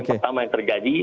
tapi pertama yang terjadi